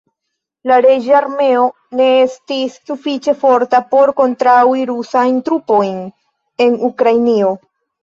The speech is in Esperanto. La reĝa armeo ne estis sufiĉe forta por kontraŭi rusajn trupojn en Ukrainio.